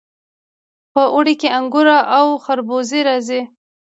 په اوړي کې انګور او خربوزې راځي.